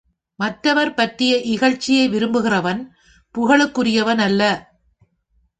மற்றவர் பற்றிய இகழ்ச்சியை விரும்புகிறவன், புகழுக்குரியவன் அல்ல.